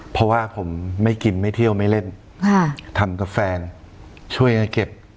เพราะว่าผมไม่กินไม่เที่ยวไม่เล่นทำกับแฟนช่วยกันเก็บ